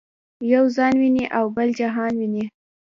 یو ځان ویني او بل جهان ویني.